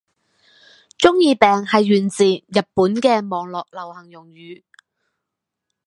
中二病係源自日本嘅網絡流行用語